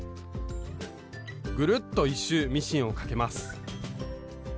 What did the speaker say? グルッと１周ミシンをかけます